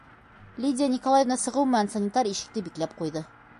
Лидия Николаевна сығыу менән санитар ишекте бикләп ҡуйҙы.